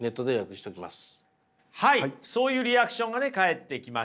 はいそういうリアクションがね返ってきました。